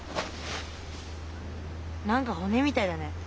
なんか骨みたいだね。